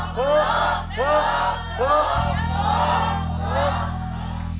ถูก